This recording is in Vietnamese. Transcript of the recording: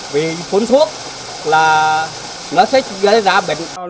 vì phun thuốc là nó sẽ gây ra bệnh